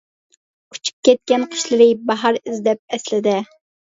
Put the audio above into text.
ئۇچۇپ كەتكەن قۇشلىرى، باھار ئىزدەپ ئەسلىدە.